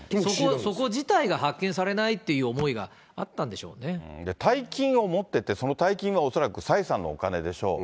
そこ自体が発見されないって大金を持ってて、その大金は恐らく蔡さんのお金でしょう。